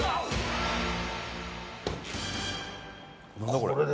何だこれ？